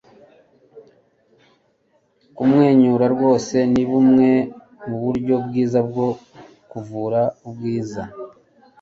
kumwenyura rwose ni bumwe mu buryo bwiza bwo kuvura ubwiza